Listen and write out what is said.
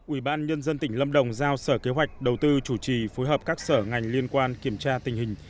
ubnd tỉnh lâm đồng giao sở kế hoạch đầu tư chủ trì phối hợp các sở ngành liên quan kiểm tra tình hình